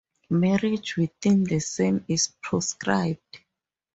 Marriage within the same is proscribed.